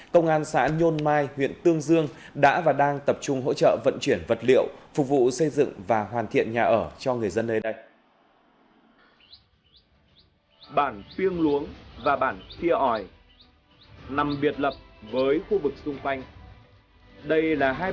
công an xã nhôn mai huyện tương dương đã và đang tập trung hỗ trợ vận chuyển vật liệu phục vụ xây dựng và hoàn thiện nhà ở cho người dân nơi đây